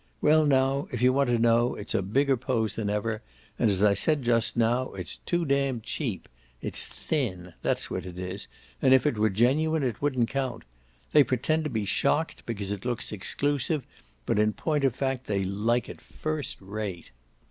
Well now, if you want to know, it's a bigger pose than ever, and, as I said just now, it's too damned cheap. It's THIN that's what it is; and if it were genuine it wouldn't count. They pretend to be shocked because it looks exclusive, but in point of fact they like it first rate."